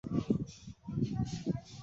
এটি বংশগত।